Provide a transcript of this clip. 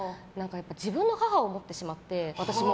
自分の母を思ってしまって、私も。